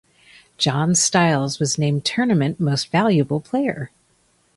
John Styles was named Tournament Most Valuable Player.